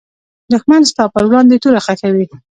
دښمن ستا پر وړاندې توره خښوي